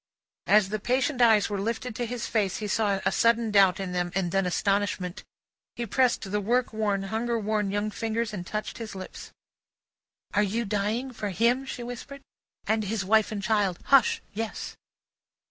As the patient eyes were lifted to his face, he saw a sudden doubt in them, and then astonishment. He pressed the work worn, hunger worn young fingers, and touched his lips. "Are you dying for him?" she whispered. "And his wife and child. Hush! Yes."